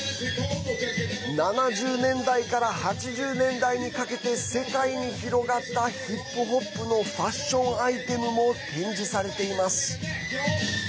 ７０年代から８０年代にかけて世界に広がったヒップホップのファッションアイテムも展示されています。